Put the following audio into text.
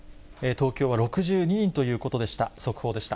東京は６２人ということでした。